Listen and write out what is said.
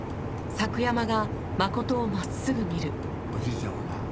おじいちゃんはな